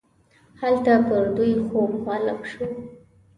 هلته پر دوی خوب غالب شو.